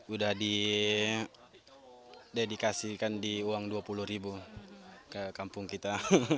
udah didedikasikan di uang dua puluh ribu ke kampung kita